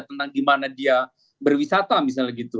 tentang di mana dia berwisata misalnya gitu